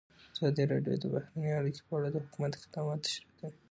ازادي راډیو د بهرنۍ اړیکې په اړه د حکومت اقدامات تشریح کړي.